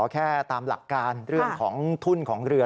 คุณบอลขอแค่ตามหลักการเรื่องของทุนของเรือ